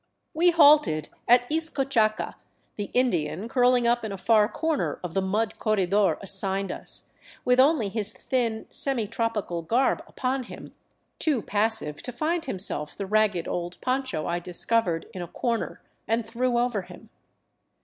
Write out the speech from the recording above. We halted at Izcochaca, the Indian curling up in a far corner of the mud corredor assigned us, with only his thin semi tropical garb upon him, too passive to find himself the ragged old poncho I discovered in a corner and threw over him.